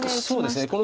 そうですね